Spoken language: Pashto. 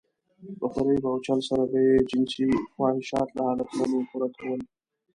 په فريب او چل سره به يې جنسي خواهشات له هلکانو پوره کول.